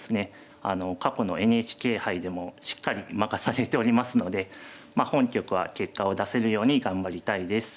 過去のＮＨＫ杯でもしっかり負かされておりますのでまあ本局は結果を出せるように頑張りたいです。